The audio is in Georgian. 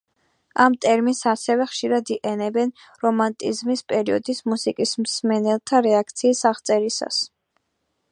ამ ტერმინს ასევე ხშირად იყენებენ რომანტიზმის პერიოდის მუსიკის მსმენელთა რეაქციის აღწერისას.